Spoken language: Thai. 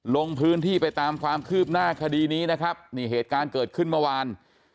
ลงพื้นที่ไปตามความคืบหน้าคดีนี้นะครับนี่เหตุการณ์เกิดขึ้นเมื่อวาน